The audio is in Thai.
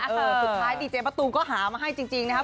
สุดท้ายดีเจมะตูมก็หามาให้จริงนะครับ